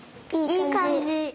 いいかんじ！